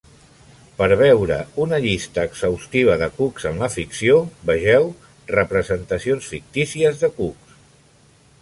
Per veure una llista exhaustiva de cucs en la ficció, vegeu Representacions fictícies de cucs.